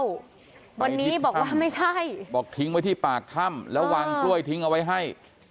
วันนี้บอกว่าไม่ใช่บอกทิ้งไว้ที่ปากถ้ำแล้ววางกล้วยทิ้งเอาไว้ให้